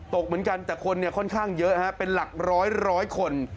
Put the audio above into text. ตกเหมือนกันแต่คนค่อนข้างเยอะเป็นหลักร้อยคน